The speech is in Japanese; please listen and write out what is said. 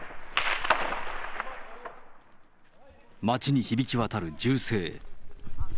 街に響き渡る銃声。